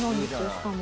しかも。